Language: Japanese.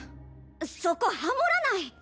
そこハモらない！